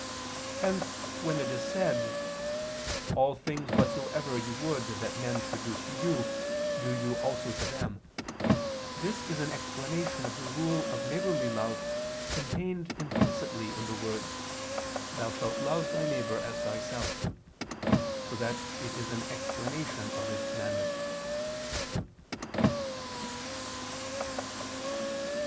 Hence when it is said, "All things whatsoever you would that men should do to you, do you also to them," this is an explanation of the rule of neighborly love contained implicitly in the words, "Thou shalt love thy neighbor as thyself": so that it is an explanation of this commandment.